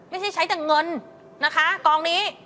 ไม่ใช่ใช้แต่เงินนะคะกองนี้